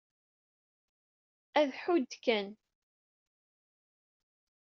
Ad tḥudd Dan.